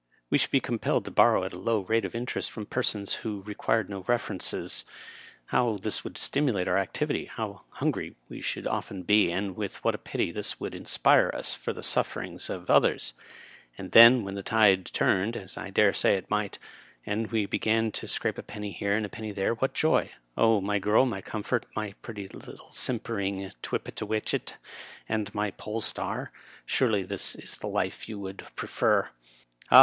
We should be compelled to borrow at a low rate of interest from persons who re quired no references. How this would stimulate our activity 1 How hungry we should often be, and with what pity would this inspire us for the sufferings of others ! And then, when the tide turned, as I dare say it might, and we began to scrape a penny here and a penny there — ^what joy ! Oh, my girl, my comfort, my pretty little simpering tippetiwitchet, and my pole star, surely this is the life you would prefer i "" Ah